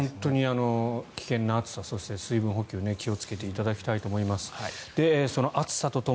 本当に危険な暑さそして水分補給気をつけていただきたいと思います。